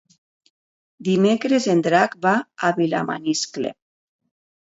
Dimecres en Drac va a Vilamaniscle.